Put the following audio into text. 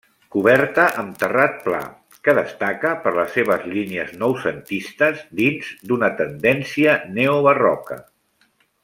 Coberta amb terrat pla, que destaca per les seves línies noucentistes dins d'una tendència neobarroca.